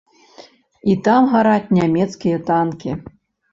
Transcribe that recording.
І там гараць нямецкія танкі.